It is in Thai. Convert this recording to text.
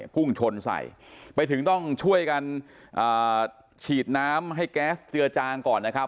พุ่งชนใส่ไปถึงต้องช่วยกันฉีดน้ำให้แก๊สเจือจางก่อนนะครับ